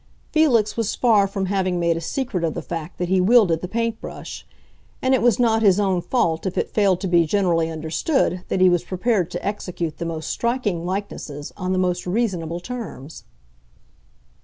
Felix was far from having made a secret of the fact that he wielded the paint brush, and it was not his own fault if it failed to be generally understood that he was prepared to execute the most striking likenesses on the most reasonable terms.